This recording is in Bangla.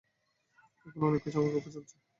এখন অনেককিছুই আমার পক্ষে চলছে।